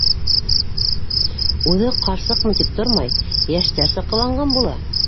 Үҙе, ҡарсыҡмын тип тормай, йәштәрсә ҡыланған була.